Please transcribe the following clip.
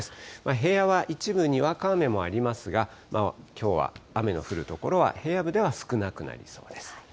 平野は一部、にわか雨もありますが、きょうは雨の降る所は平野部では少なくなりそうです。